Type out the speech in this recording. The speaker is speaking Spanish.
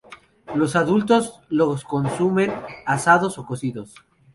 Los adultos los consumen asados o cocidos.